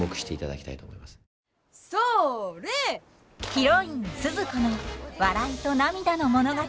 ヒロインスズ子の笑いと涙の物語。